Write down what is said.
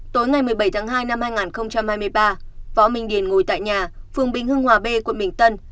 tối ngày một mươi bảy tháng hai năm hai nghìn hai mươi ba võ minh điền ngồi tại nhà phường bình hưng hòa b quận bình tân